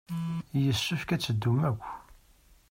Yessefk ad teddum akk.